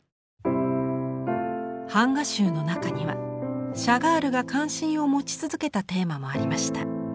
版画集の中にはシャガールが関心を持ち続けたテーマもありました。